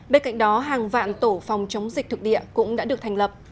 bên cạnh đó hàng vạn tổ phòng chống dịch thực địa cũng đã được thành lập